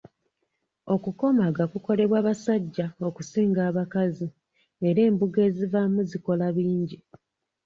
Okukomaga kukolebwa basajja okusinga abakazi era embugo ezivaamu zikola bingi.